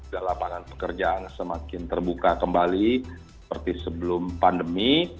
dan lapangan pekerjaan semakin terbuka kembali seperti sebelum pandemi